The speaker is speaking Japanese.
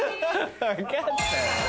分かったよ。